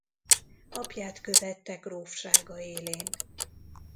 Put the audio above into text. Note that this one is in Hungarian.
Apját követte grófsága élén.